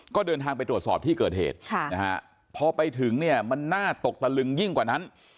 ก็เดินทางไปตรวจสอบที่เกิดเหตุพอไปถึงเนี่ยมันน่าตกตะลึงยิ่งกว่านั้น